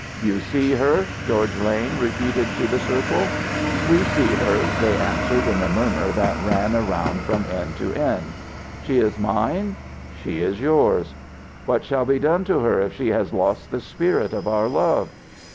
"You see her?" George Lane repeated to the circle. "We see her," they answered in a murmur that ran around from end to end. "She is mine?" "She is yours." "What shall be done to her if she has lost the spirit of our love?"